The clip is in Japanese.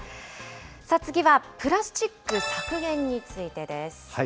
次はプラスチック削減についてです。